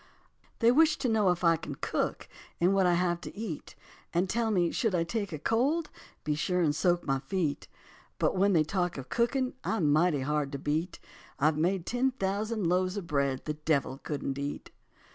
They wish to know if I can cook And what I have to eat, And tell me should I take a cold Be sure and soak my feet. But when they talk of cooking I'm mighty hard to beat, I've made ten thousand loaves of bread The devil couldn't eat.